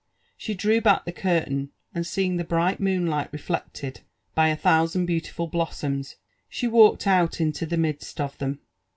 She drew back the curtain, and seeing the bright moonlight refiected by a thousand beautiful blossoms, she walked out into the midst of them.